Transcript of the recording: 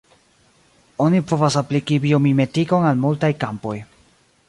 Oni povas apliki biomimetikon al multaj kampoj.